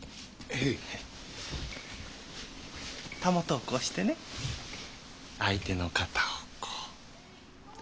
袂をこうしてね相手の肩をこう。